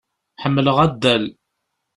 Ḥemmleɣ addal.